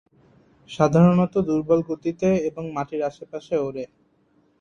সাধারনত দূর্বল গতিতে এবং মাটির আশেপাশে ওড়ে।